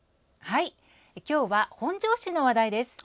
今日は本庄市の話題です。